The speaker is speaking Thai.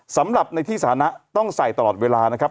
สำหรับในที่สถานะต้องใส่ตลอดเวลานะครับ